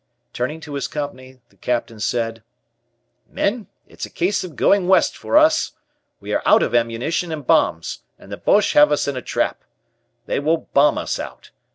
Turning to his Company, the Captain said: "Men, it's a case of going West for us. We are out of ammunition and bombs, and the 'Boches' have us in a trap. They will bomb us out.